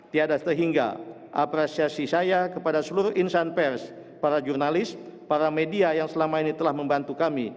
tiada sehingga apresiasi saya kepada seluruh insan pers para jurnalis para media yang selama ini telah membantu kami